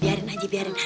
biarin aja biarin